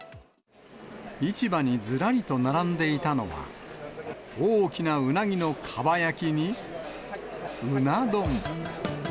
市場にずらりと並んでいたのは、大きなうなぎのかば焼きに、うな丼。